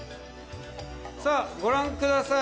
さあご覧ください。